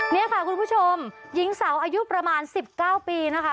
นี่ค่ะคุณผู้ชมหญิงสาวอายุประมาณ๑๙ปีนะคะ